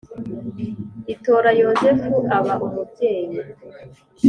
itora yozefu aba umubyeyi